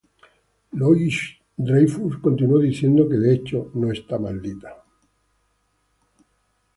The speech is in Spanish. Louis-Dreyfus continuó diciendo que, de hecho, no está maldita.